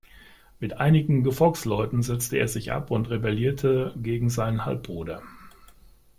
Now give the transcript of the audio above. Mit einigen Gefolgsleuten setzte er sich ab und rebellierte gegen seinen Halbbruder.